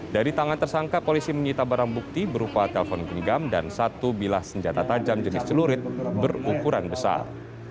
dari tangan tersangka polisi menyita barang bukti berupa telpon genggam dan satu bilah senjata tajam jenis celurit berukuran besar